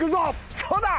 そうだ！